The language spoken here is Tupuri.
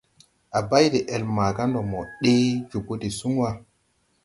A bay de-ɛl maaga ndɔ mo ɗee jobo de suŋ wà.